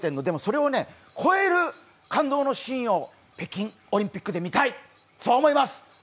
でもそれをね超える感動のシーンを北京オリンピックでみたい、そう思います。